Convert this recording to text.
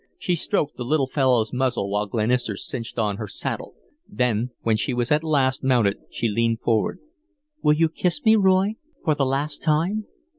She stroked the little fellow's muzzle while Glenister cinched on her saddle. Then, when she was at last mounted, she leaned forward: "Will you kiss me once, Roy, for the last time?"